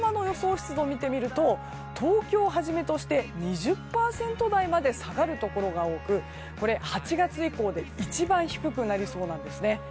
湿度を見てみると東京をはじめとして２０％台まで下がるところが多く８月以降で一番低くなるそうですね。